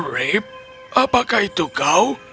rip apakah itu kau